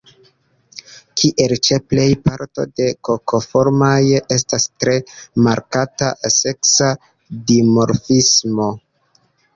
Kiel ĉe plej parto de Kokoformaj, estas tre markata seksa dimorfismo.